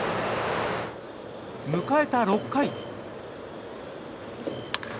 迎えた６回。